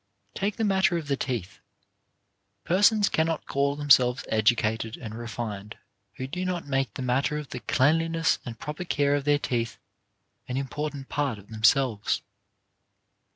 Take the matter of the teeth. Persons cannot call themselves educated and refined who do not make the matter of the cleanliness and proper care of their teeth an important part of themselves.